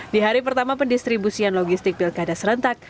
di hari pertama pendistribusian logistik pilkada serentak